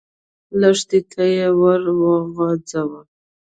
لښتي ته يې ور وغځاوه.